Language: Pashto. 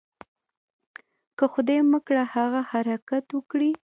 که خدای مه کړه هغه حرکت وکړي.